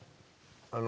あの。